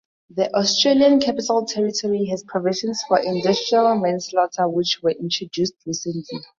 The Australian Capital Territory has provisions for industrial manslaughter which were introduced recently.